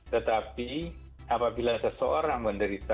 tetapi apabila seseorang menderita